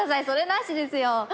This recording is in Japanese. それなしですよ。